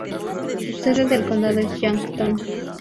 Su sede del condado es Yankton.